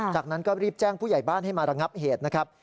จากนั้นก็รีบแจ้งผู้ใหญ่บ้านให้มาระงับเหตุนะครับ